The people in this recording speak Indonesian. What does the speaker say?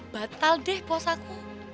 batal deh pos aku